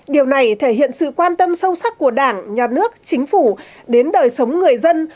điều này thể hiện sự quan tâm sâu sắc của đảng nhà nước chính phủ đến đời sống người dân